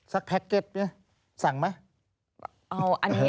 สักแพ็คเก็ตสั่งมา